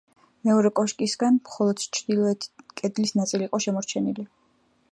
მეორე კოშკისგან მხოლოდ ჩრდილოეთ კედლის ნაწილი იყო შემორჩენილი.